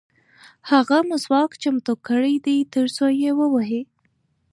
هغه مسواک چمتو کړی دی ترڅو یې ووهي.